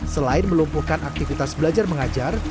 selain melumpuhkan aktivitas belajar mengajar